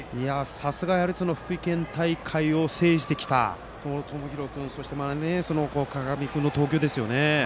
さすが福井県大会を制してきた友廣君、川上君の投球ですよね。